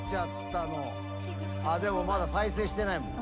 あでもまだ再生してないもん。